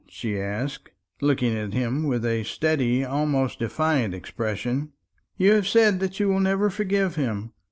she asked, looking at him with a steady, almost defiant, expression. "You have said that you will never forgive him.